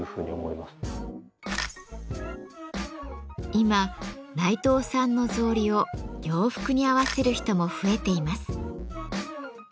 今内藤さんの草履を洋服に合わせる人も増えています。